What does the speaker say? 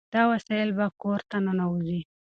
دا وسایل به کور ته ننوځي.